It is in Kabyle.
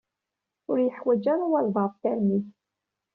Ur yeḥwaj ara walbaɛḍ tarmit.